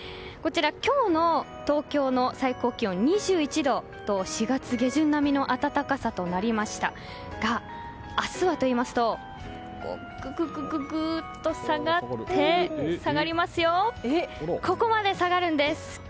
こちら、今日の東京の最高気温２１度と４月下旬並みの暖かさとなりましたが明日は、ぐぐっと下がってここまで下がるんです。